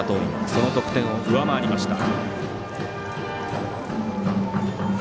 その得点を上回りました。